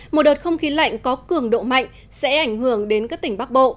một đợt không khí lạnh có cường độ mạnh sẽ ảnh hưởng đến các tỉnh bắc bộ